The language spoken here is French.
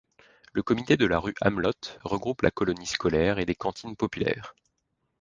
Le Comité de la rue Amelot regroupe la Colonie scolaire et des cantines populaires.